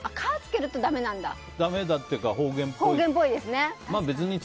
だめっていうか方言っぽい。